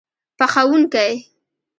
پخوونکی